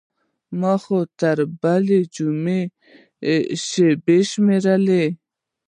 خو ما تر بلې جمعې شېبې شمېرلې.